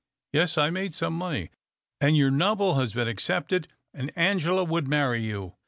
" Yes, I made some money." "And your novel has been accepted, and Angela would marry you.